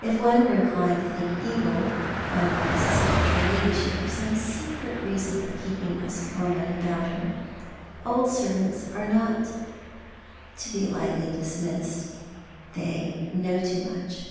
If one were inclined to think evil one might suspect her ladyship of some secret reason for keeping tliis woman about her. Old servants are not to be lightly dismissed. They know too much.